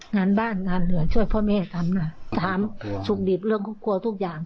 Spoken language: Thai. งานบ้านงานเหนือช่วยพ่อแม่ทำนะถามสุขดิบเรื่องครอบครัวทุกอย่าง